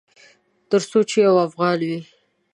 ترڅو چې یو افغان وي